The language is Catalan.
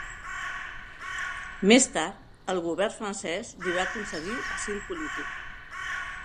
Més tard, el govern francès li va concedir asil polític.